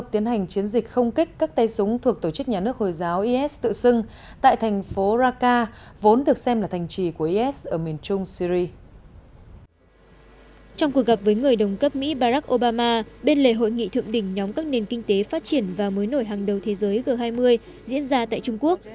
trong cuộc gặp với người đồng cấp mỹ barack obama bên lề hội nghị thượng đỉnh nhóm các nền kinh tế phát triển và mới nổi hàng đầu thế giới g hai mươi diễn ra tại trung quốc